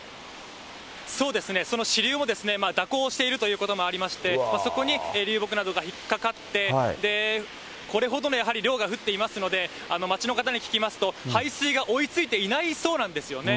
そうですね、その支流も蛇行しているということもありまして、そこに流木などが引っ掛かって、これほどのやはり量が降っていますので、町の方に聞きますと、排水が追いついていないそうなんですよね。